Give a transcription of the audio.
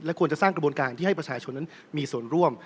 ควรจะสร้างกระบวนการที่ให้ประชาชนนั้นมีส่วนร่วม